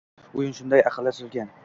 Oʻyin shunday aqlli tuzilgan